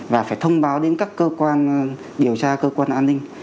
và phải thông báo đến các cơ quan điều tra cơ quan an ninh